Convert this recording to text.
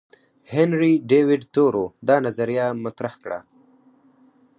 هنري ډیویډ تورو دا نظریه مطرح کړه.